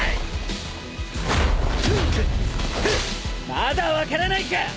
まだ分からないか！